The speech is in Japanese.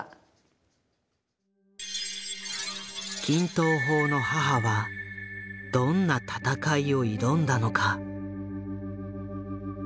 均等法の母はどんな闘いを挑んだのか？